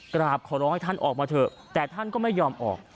กราบขอร้องให้ท่านออกมาเถอะแต่ท่านก็ไม่ยอมออก